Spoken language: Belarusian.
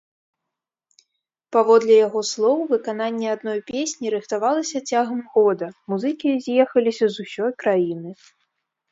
Паводле яго слоў, выкананне адной песні рыхтавалася цягам года, музыкі з'ехаліся з усёй краіны.